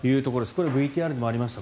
これはＶＴＲでもありました